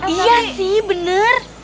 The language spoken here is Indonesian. iya sih bener